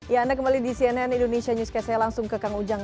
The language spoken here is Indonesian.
ya anda kembali di cnn indonesia newscast saya langsung ke kang ujang